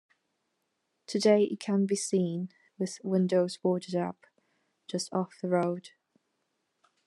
Today it can be seen, with windows boarded up, just off the road.